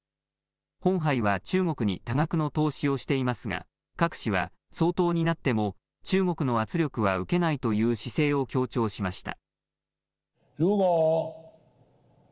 ホンハイは中国に多額の投資をしていますが、郭氏は総統になっても中国の圧力は受けないという姿勢を強調しました。